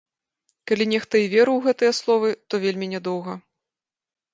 Калі нехта і верыў у гэтыя словы, то вельмі нядоўга.